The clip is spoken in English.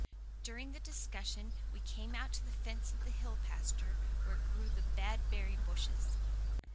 During the discussion we came out to the fence of the hill pasture where grew the "bad berry" bushes.